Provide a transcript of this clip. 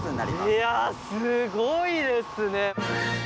いやすごいですね。